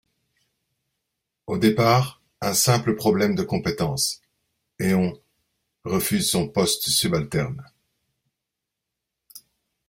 Au départ un simple problème de compétence, Éon, refuse son poste subalterne.